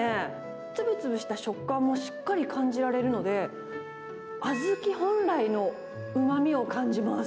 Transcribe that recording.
つぶつぶした食感もしっかり感じられるので、小豆本来のうまみを感じます。